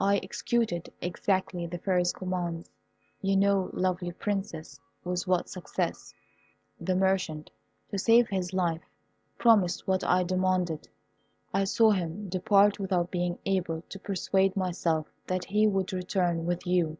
I executed exactly the Fairy's commands. You know, lovely Princess, with what success. The merchant, to save his life, promised what I demanded. I saw him depart without being able to persuade myself that he would return with you.